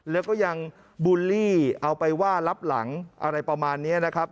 แล้วก็ยังบูลลี่เอาไปว่ารับหลังอะไรประมาณนี้นะครับ